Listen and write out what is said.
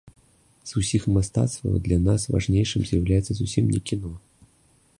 З усіх мастацтваў для нас важнейшым з'яўляецца зусім не кіно.